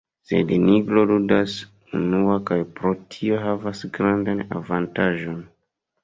Sed Nigro ludas unua kaj pro tio havas grandan avantaĝon.